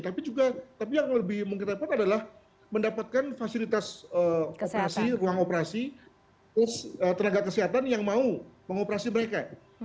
tapi juga tapi yang lebih mengedepankan adalah mendapatkan fasilitas operasi ruang operasi tenaga kesehatan yang mau mengoperasi mereka